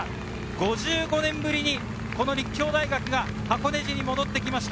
５５年ぶりに立教大学が箱根路に戻ってきました。